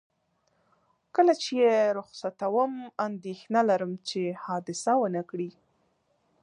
کله چې یې رخصتوم، اندېښنه لرم چې حادثه ونه کړي.